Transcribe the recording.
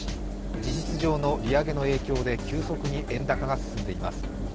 事実上の利上げの影響で急速に円高が進んでいます。